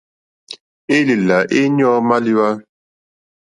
Élèlà éɲɔ̂ màléwá.